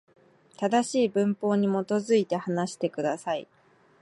正しい文法に基づいて、話してください。